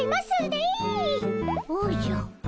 おじゃ？